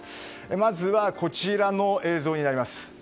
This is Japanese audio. まずはこちらの映像になります。